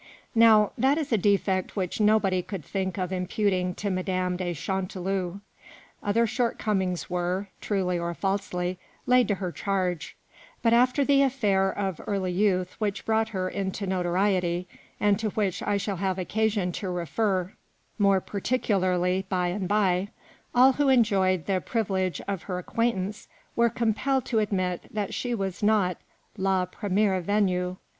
Now, that is a defect which nobody could think of imputing to Madame de Chanteloup. Other shortcomings were, truly or falsely, laid to her charge; but after the affair of early youth which brought her into notoriety, and to which I shall have occasion to refer more par ticularly by and by, all who enjoyed the privi lege of her acquaintance were compelled to admit that she was not la premiere venue.